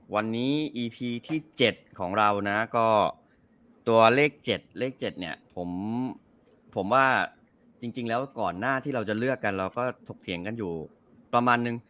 วันนี้อีพีที่๗ของเรานะก็ตัวเลข๗เลข๗เนี่ยผมว่าจริงแล้วก่อนหน้าที่เราจะเลือกกันเราก็ถกเถียงกันอยู่ประมาณนึง